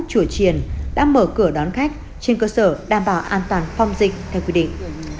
chủ triền đã mở cửa đón khách trên cơ sở đảm bảo an toàn phòng dịch theo quy định